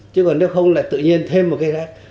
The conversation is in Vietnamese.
chứ còn nếu không là tự nhiên thêm một cái rác